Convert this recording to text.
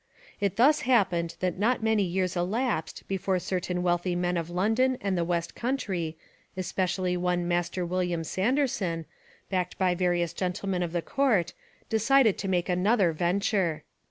It thus happened that not many years elapsed before certain wealthy men of London and the West Country, especially one Master William Sanderson, backed by various gentlemen of the court, decided to make another venture.